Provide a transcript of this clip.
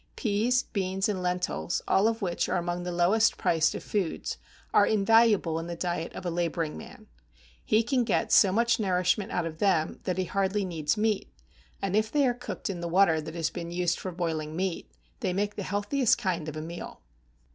Peas, beans, and lentils, all of which are among the lowest priced of foods, are invaluable in the diet of a laboring man: he can get so much nourishment out of them that he hardly needs meat; and if they are cooked in the water that has been used for boiling meat, they make the healthiest kind of a meal.